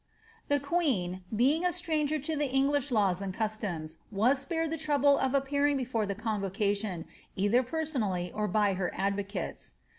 "^ The queen, being a stranger to the English laws and customs, was spared the trouble of appearing before the convocation, either persooaily or by her advocates.